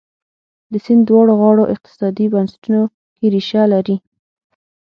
د سیند دواړو غاړو اقتصادي بنسټونو کې ریښه لري.